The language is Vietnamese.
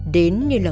đến như là